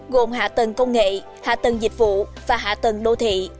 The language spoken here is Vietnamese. gồm hạ tầng công nghệ hạ tầng dịch vụ và hạ tầng đô thị